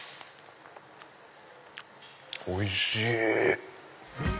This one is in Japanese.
おいしい！